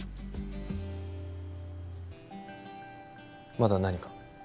まだ何か？